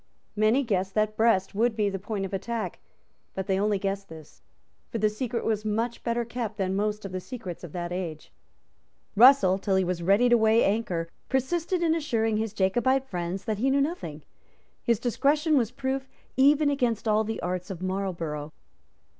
Many guessed that Brest would be the point of attack; but they only guessed this; for the secret was much better kept than most of the secrets of that age. Russell, till he was ready to weigh anchor, persisted in assuring his Jacobite friends that he knew nothing. His discretion was proof even against all the arts of Marlborough.